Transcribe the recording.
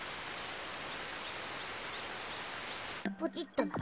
ポチッとな。